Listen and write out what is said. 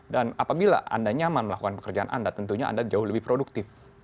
dan apabila anda nyaman melakukan pekerjaan anda tentunya anda jauh lebih produktif